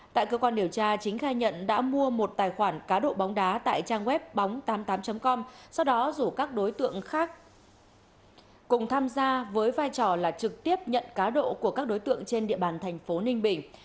tại cơ quan điều tra chính khai nhận đã mua một tài khoản cá độ bóng đá tại trang web bóng tám mươi tám com sau đó rủ các đối tượng khác cùng tham gia với vai trò là trực tiếp nhận cá độ của các đối tượng trên địa bàn thành phố ninh bình